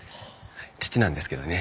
父なんですけどね。